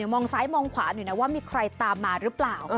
มองซ้ายมองขวาอยู่นะว่ามีใครตามมาหรือเปล่า